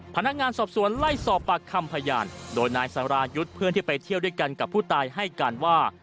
พนักงานสอบสวนไล่สอบปากคำพยานโดยนายสารายุทธ์เพื่อนที่ไปเที่ยวด้วยกันกับผู้ตายให้การว่า